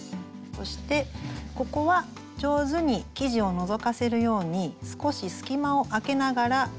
そしてここは上手に生地をのぞかせるように少し隙間をあけながらぐるぐるぐると巻いていきます。